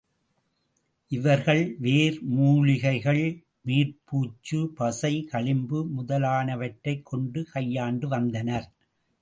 இவர்கள் வேர், மூலிகைகள், மேற் பூச்சு, பசை, களிம்பு முதலானவற்றைக் கொண்டு கையாண்டு வந்தனர்.